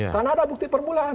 karena ada bukti permulaan